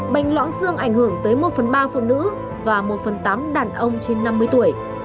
bệnh loãng xương ảnh hưởng tới một phần ba phụ nữ và một phần tám đàn ông trên năm mươi tuổi